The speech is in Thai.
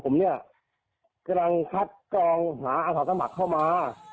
ผมเนี่ยกำลังคัดกรองหาอาสาสมัครเข้ามา